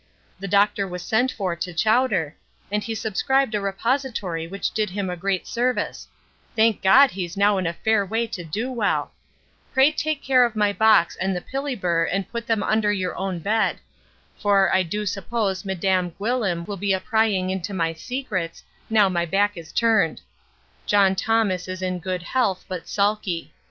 The doctor was sent for to Chowder, and he subscribed a repository which did him great service thank God he's now in a fair way to do well pray take care of my box and the pillyber and put them under your own bed; for, I do suppose madam, Gwyllim will be a prying into my secrets, now my back is turned. John Thomas is in good health, but sulky.